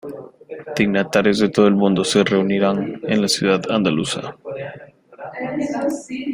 Dignatarios de todo el mundo se reunirán en la ciudad andaluza.